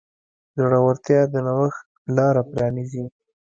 زړورتیا د نوښت لاره پرانیزي.